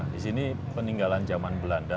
disini peninggalan zaman belanda